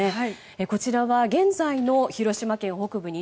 こちらは現在の広島県北部